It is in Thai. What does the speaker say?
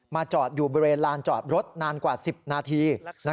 จอดอยู่บริเวณลานจอดรถนานกว่า๑๐นาที